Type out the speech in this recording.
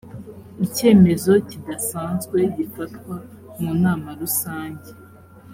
icyemezo kidasanzwe gifatwa mu nama rusange